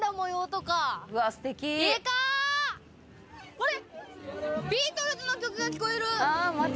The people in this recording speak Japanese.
あれ？